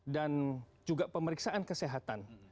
dan juga pemeriksaan kesehatan